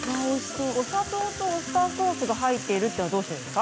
お砂糖とウスターソースが入っているのはどうしてですか？